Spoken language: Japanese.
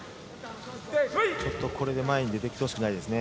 ちょっとこれで前に出てきてほしくないですね。